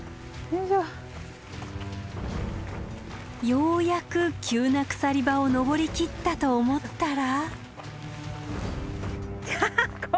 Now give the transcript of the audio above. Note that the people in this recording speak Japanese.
ようやく急な鎖場を登りきったと思ったら。